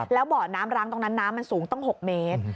แล้วเบาะน้ำร้างตรงนั้นน้ำมันสูงตั้ง๖เมตร